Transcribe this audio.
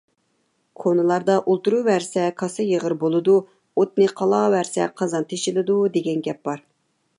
كونىلاردا: «ئولتۇرۇۋەرسە كاسا يېغىر بولىدۇ! ئوتنى قالاۋەرسە قازان تېشىلىدۇ» دېگەن گەپ بار.